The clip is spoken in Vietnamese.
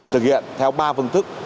thực hiện theo ba phương thức